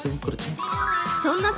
そんなさ